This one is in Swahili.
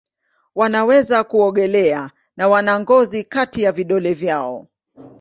Wanaweza kuogelea na wana ngozi kati ya vidole vyao.